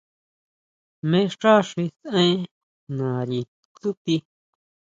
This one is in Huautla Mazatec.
¿Jmé xá xi saʼen nari tsúti?